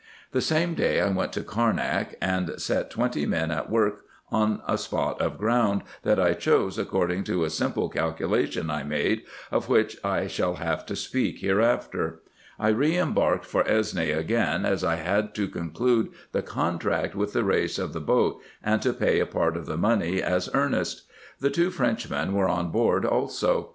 The same day I went to Carnak, and set twenty men at work on a spot of ground, that I chose according to a simple calculation I made, of which I shall have to speak hereafter. I re embarked for Esne again, as I had to conclude the contract with the Reis of the boat, and to pay a part of the money as earnest. The two French men were on board also.